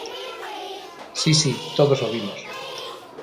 Si, si, todos o vimos.